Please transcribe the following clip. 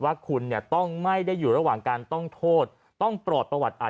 ว่าคุณเนี่ยต้องไม่ได้อยู่ระหว่างการต้องโทษต้องปลอดประวัติอาจ